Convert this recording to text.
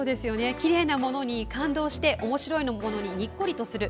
きれいなものに感動しておもしろいものににっこりとする。